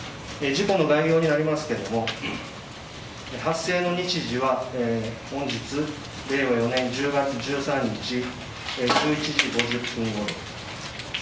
事故の概要になりますが発生の日時は本日令和４年１０月１３日１１時５０分ごろ。